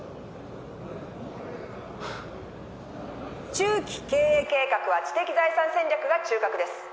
中期経営計画は知的財産戦略が中核です。